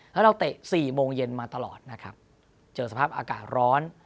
แล้วเราเตะ๔โมงเย็นมาตลอดนะครับเจอสภาพอากาศร้อน